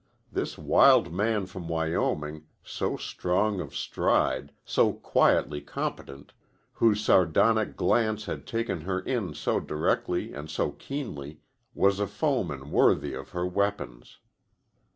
This Wild Man from Wyoming, so strong of stride, so quietly competent, whose sardonic glance had taken her in so directly and so keenly, was a foeman worthy of her weapons.